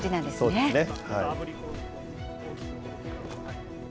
そうですね。